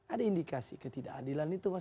ada indikasi ketidakadilan itu mas